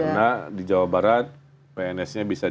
karena di jawa barat pns nya bisa